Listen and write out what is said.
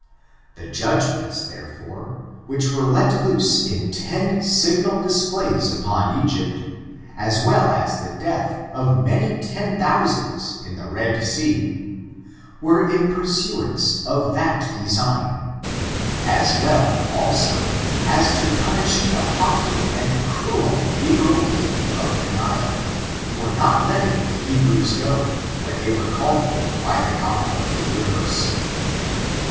The judgments^ therefove, which were let loose in ten signal displays upon Egypt, as well as the death of many ten thousands in the Red Sea, were in pursuance of that design^ as well, also, as to punish the haughty and cruel negro king of the Nile for not letting the Hebrews go, when they were called for by the God of the universe.